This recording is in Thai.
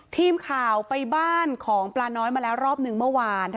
ทีมข่าวไปบ้านของปลาน้อยมาแล้วรอบหนึ่งเมื่อวาน